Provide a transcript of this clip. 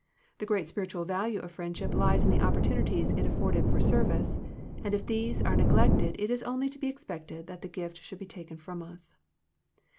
The great spiritual value of friendship lies in the opportunities it afforded for service, and if these are neglected it is only to be expected that the gift should be taken from us.